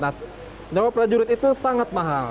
nah nyawa prajurit itu sangat mahal